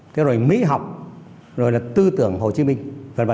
thế rồi mỹ học rồi là tư tưởng hồ chí minh v v